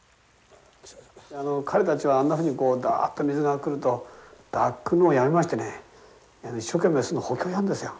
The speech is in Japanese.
あの彼たちはあんなふうにダッと水が来ると抱くのをやめましてね一生懸命巣の補強をやるんですよ。